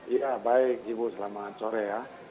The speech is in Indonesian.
ya baik ibu selamat sore ya